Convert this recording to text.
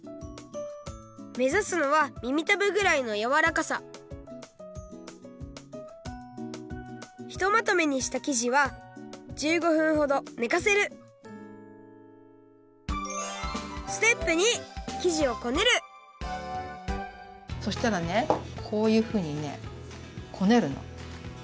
めざすのはみみたぶぐらいのやわらかさひとまとめにした生地は１５分ほどねかせるそしたらねこういうふうにねこねるの。